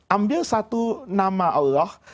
ambil satu nama allah